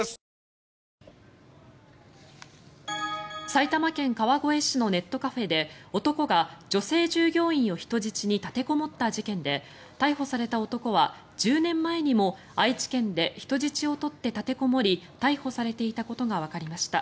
埼玉県川越市のネットカフェで男が女性従業員を人質に立てこもった事件で逮捕された男は１０年前にも愛知県で人質を取って立てこもり逮捕されていたことがわかりました。